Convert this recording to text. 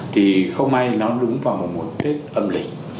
thì không may nó đúng vào một tết âm lịch